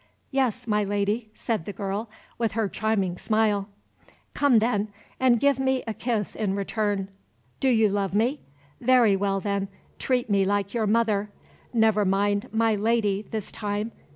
"Yes, my Lady," said the girl, with her charming smile. "Come, then, and give me a kiss in return. Do you love me? Very well, then, treat me like your mother. Never mind 'my lady' this time.